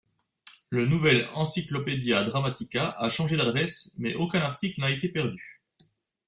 Le nouvel Encyclopedia Dramatica a changé d'adresse mais aucun article n'a été perdu.